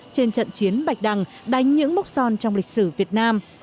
trên trận chiến bạch đằng đánh những mốc son trong lịch sử việt nam